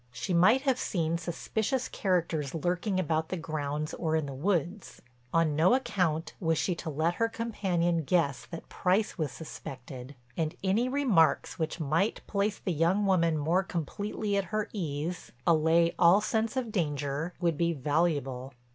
She might have seen suspicious characters lurking about the grounds or in the woods. On no account was she to let her companion guess that Price was suspected, and any remarks which might place the young woman more completely at her ease, allay all sense of danger, would be valuable.